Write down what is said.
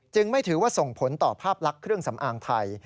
ไม่ถือว่าส่งผลต่อภาพลักษณ์เครื่องสำอางไทย